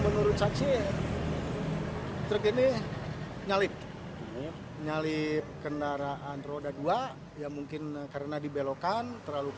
neng bawa anak kecil itu